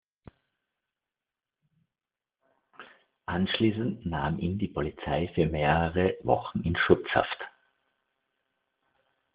Anschließend nahm ihn die Polizei für mehrere Wochen in „Schutzhaft“.